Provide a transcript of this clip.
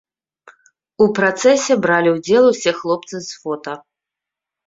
У працэсе бралі ўдзел усе хлопцы з фота.